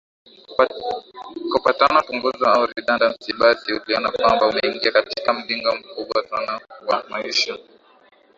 kupata punguzwa au redudancy basi uliona kwamba umeingia katika mlingo mkubwa sana wa maisha